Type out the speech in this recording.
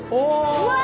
うわ！